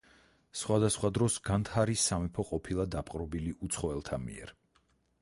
სხვადასხვა დროს განდჰარას სამეფო ყოფილა დაპყრობილი უცხოელთა მიერ.